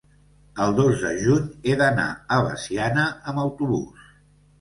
el dos de juny he d'anar a Veciana amb autobús.